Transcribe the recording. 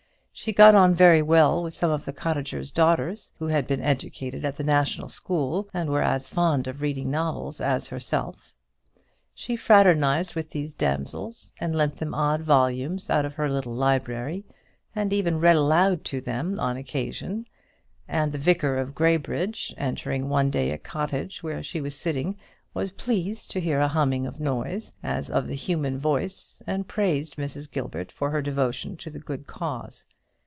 She got on very well with some of the cottagers' daughters, who had been educated at the national school, and were as fond of reading novels as herself; she fraternized with these damsels, and lent them odd volumes out of her little library, and even read aloud to them on occasion; and the vicar of Graybridge, entering one day a cottage where she was sitting, was pleased to hear a humming noise, as of the human voice, and praised Mrs. Gilbert for her devotion to the good cause.